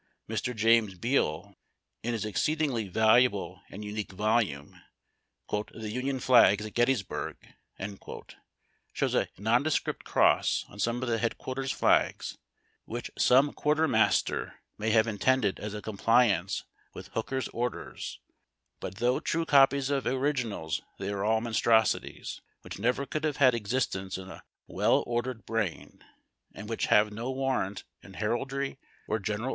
Mr. James Beale, in his exceedingly valuable and unique volume, '"The Union Flags at Gettysburg," shows a nondescript cross on some of the headquarters flags, which some qiuirtermaster may have intended as a compliance with Hooker's order; but though true copies of originals they are monstrosities, which never could have had existence in a well ordered brain, and which have no warrant in heraldry or general BREAKING CAMP. — ON THE MARCH.